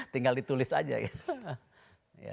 tinggal ditulis aja gitu